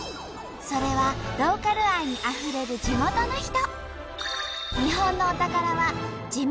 それはローカル愛にあふれる地元の人。